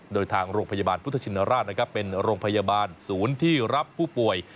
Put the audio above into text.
โดยทางโรงพยาบาลพุทธชินราชเป็นโรงพยาบาลศูนย์ที่รับผู้ป่วย